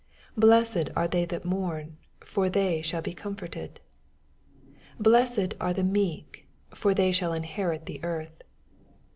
4 Blessed are they that mourn : for they shall be comforted. 5 Blessed are the meek ; for they ■hall inherit the earth.